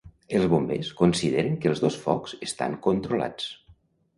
Els Bombers consideren que els dos focs estan controlats.